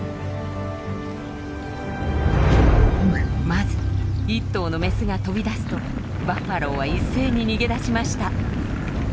まず１頭のメスが飛び出すとバッファローは一斉に逃げ出しました。